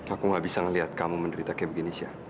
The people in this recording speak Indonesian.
aku nggak bisa ngeliat kamu menderita kayak begini sya